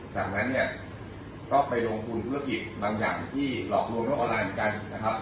จากนั้นก็ไปโรงคุมธุรกิจบางอย่างตรงโลกออนไลน์เหมือนกัน